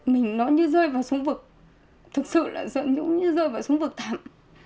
mình nói như rơi vào súng vực thật sự là rơi như rơi vào súng vực thẳm